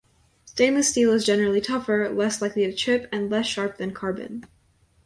Stainless steel is generally tougher, less likely to chip, and less sharp than carbon.